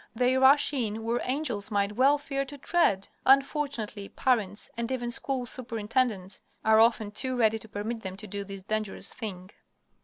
They rush in where angels might well fear to tread. Unfortunately, parents, and even school superintendents, are often too ready to permit them to do this dangerous thing.